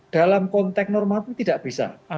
dalam konteks normatif tidak bisa